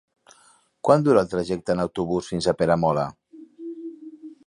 Quant dura el trajecte en autobús fins a Peramola?